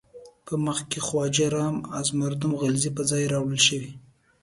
په مخ کې خواجه رام از مردم غلزی پر ځای راوړل شوی دی.